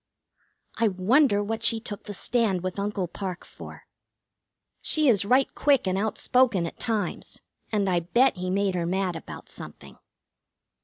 I wonder what she took the stand with Uncle Parke for? She is right quick and outspoken at times, and I bet he made her mad about something.